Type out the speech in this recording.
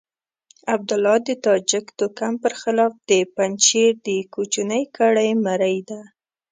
عبدالله د تاجک توکم پر خلاف د پنجشير د کوچنۍ کړۍ مرۍ ده.